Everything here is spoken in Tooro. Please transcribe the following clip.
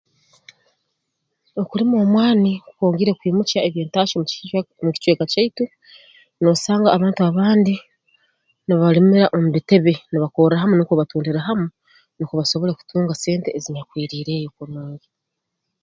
Okulima omwani kwongiire kwimukya eby'entaahya mu kii mu kicweka kyaitu noosanga abantu abandi nibalimira omu bitebe nibakorra hamu nukwo batundire hamu nukwo basobole kutunga sente ezinyakwiriireyo kurungi